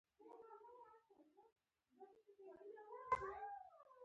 تر څو چې دغه انسان د نننۍ متمدنې دنیا برخه ونه ګرځي.